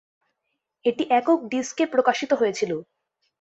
এটি একক ডিস্ক এ প্রকাশিত হয়েছিলো।